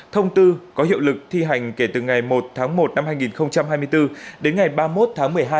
thông tư có hiệu lực thi hành kể từ ngày một tháng một năm hai nghìn hai mươi bốn đến ngày ba mươi một tháng một mươi hai